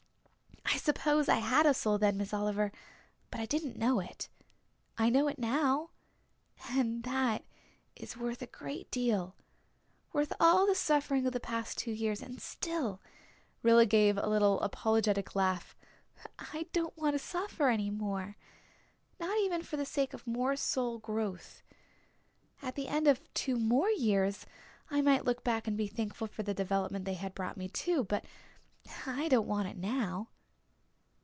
I suppose I had a soul then, Miss Oliver but I didn't know it. I know it now and that is worth a great deal worth all the suffering of the past two years. And still" Rilla gave a little apologetic laugh, "I don't want to suffer any more not even for the sake of more soul growth. At the end of two more years I might look back and be thankful for the development they had brought me, too; but I don't want it now."